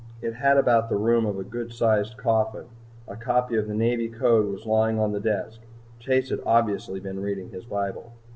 It had about the room of a good sized coffin. A copy of the Navy Code was lying on the desk. Chase had obviously been reading his bible.